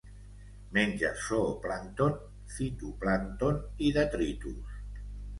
Menja zooplàncton, fitoplàncton i detritus.